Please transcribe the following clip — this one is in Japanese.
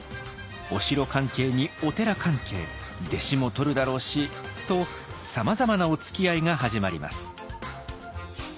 お城関係にお寺関係弟子もとるだろうしとさまざまなおつきあいが始まります。